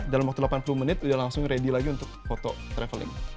dalam waktu delapan puluh menit udah langsung ready lagi untuk foto traveling